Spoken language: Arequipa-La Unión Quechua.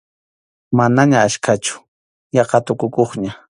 Manaña achkachu, yaqa tukukuqña.